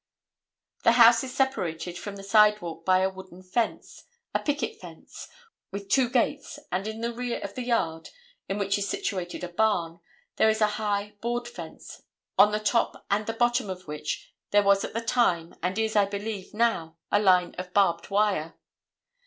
The house is separated from the sidewalk by a wooden fence, a picket fence, with two gates and in the rear of the yard, in which is situated a barn, there is a high board fence, on the top and the bottom of which there was at the time, and is, I believe, now, a line of barbed wire.